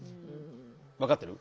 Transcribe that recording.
分かってる？